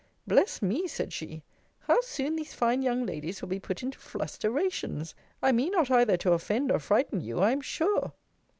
Bless me! said she, how soon these fine young ladies will be put into flusterations! I mean not either to offend or frighten you, I am sure.